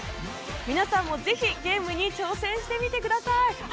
皆さんも、ぜひゲームに挑戦してみてください。